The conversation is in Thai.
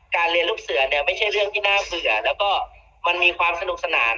เรียนลูกเสือเนี่ยไม่ใช่เรื่องที่น่าเผื่อแล้วก็มันมีความสนุกสนาน